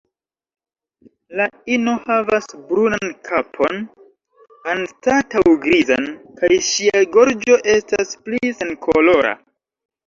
La ino havas brunan kapon anstataŭ grizan, kaj ŝia gorĝo estas pli senkolora.